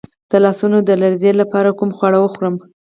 د لاسونو د لرزې لپاره کوم خواړه وخورم؟